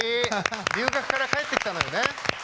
留学から帰ってきたのよね。